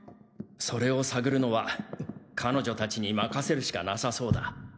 それを探るのは彼女達に任せるしかなさそうだ。